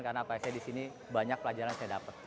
karena saya di sini banyak pelajaran saya dapat